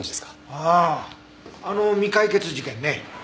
あああの未解決事件ね。